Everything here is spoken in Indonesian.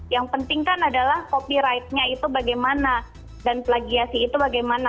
yang penting kan adalah copyrightnya itu bagaimana dan plagiasi itu bagaimana